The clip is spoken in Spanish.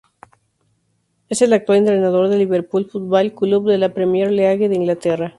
Es el actual entrenador del Liverpool Football Club de la Premier League de Inglaterra.